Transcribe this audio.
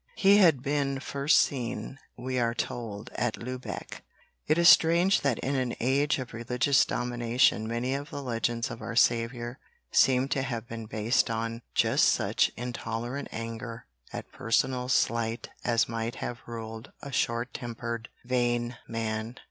He had been first seen, we are told, at Lubeck. It is strange that in an age of religious domination many of the legends of Our Saviour seem to have been based on just such intolerant anger at personal slight as might have ruled a short tempered, vain man.